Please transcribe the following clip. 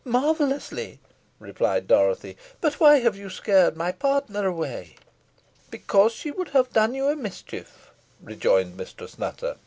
"Marvellously," replied Dorothy; "but why have you scared my partner away?" "Because she would have done you a mischief," rejoined Mistress Nutter.